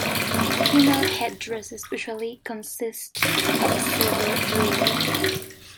Female headdresses usually consist of silver jewelry.